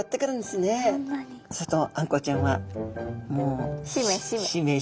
するとあんこうちゃんはもう。